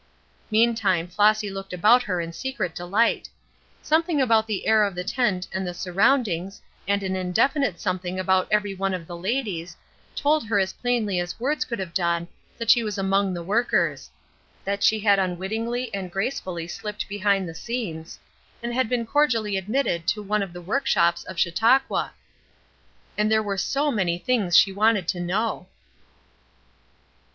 Meantime Flossy looked about her in secret delight. Something about the air of the tent and the surroundings, and an indefinite something about every one of the ladies, told her as plainly as words could have done that she was among the workers; that she had unwittingly and gracefully slipped behind the scenes, and had been cordially admitted to one of the work shops of Chautauqua; and there were so many things she wanted to know!